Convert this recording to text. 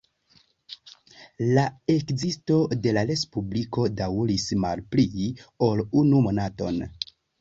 La ekzisto de la respubliko daŭris malpli ol unu monaton.